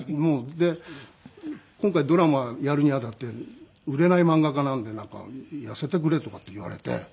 で今回ドラマやるに当たって売れない漫画家なんで「痩せてくれ」とかって言われて。